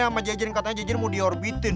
sama jajarin katanya jajan mau diorbitin